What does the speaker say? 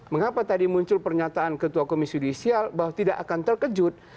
mengapa tadi muncul pernyataan ketua komisi yudisial bahwa tidak akan terkejut